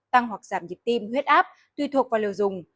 tăng hoặc giảm nhịp tim huyết áp tùy thuộc vào liều dùng